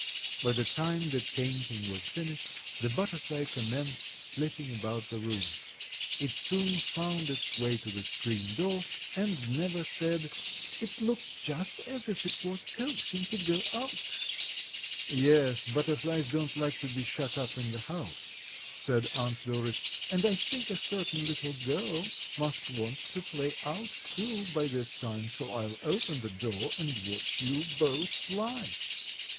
By the time the painting was finished the butterfly commenced flitting about the room. It soon found its way to the screen door and Neva said, "It looks just as if it was coaxing to go out." "Yes, butterflies don't like to be shut up in the house," said Aunt Doris, "and I think a certain little girl must want to play out too by this time, so I'll open the door and watch you both fly."